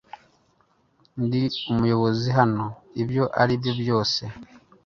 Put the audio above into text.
Ndi umuyobozi hano ibyo ari byo byose